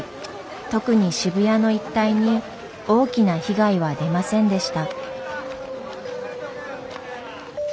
特に渋谷の一帯に大きな被害は出ませんでした。